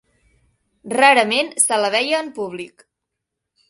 Rarament se la veia en públic.